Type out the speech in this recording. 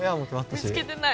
見つけてない？